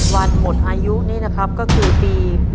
วันหมดอายุนี่นะครับก็คือปี